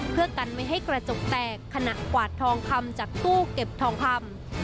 เพื่อกันไม่ให้กระจกแตกขณะกวาดทองคำจากตู้เก็บทองคำ